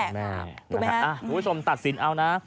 ถูกไหมฮะผู้ชมตัดสินเอานะ